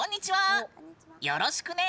よろしくね。